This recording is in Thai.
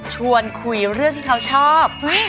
ชวนคุยเรื่องที่เขาชอบ